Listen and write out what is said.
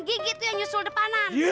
gigi tuh yang nyusul depanan